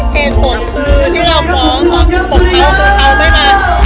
เหตุผลนี้คือฟ้องผมเขาโตเท่าไม่ได้ไป